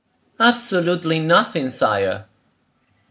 "Absolutely nothing, sire."